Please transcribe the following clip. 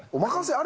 あれ。